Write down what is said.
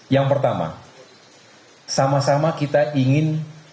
yang pertama sama sama kita ingin